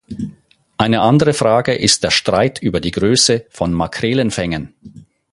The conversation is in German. Eine andere Frage ist der Streit über die Größe von Makrelenfängen.